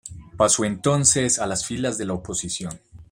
Pasó entonces a las filas de la oposición.